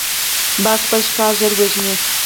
باز خپل ښکار ژر وژني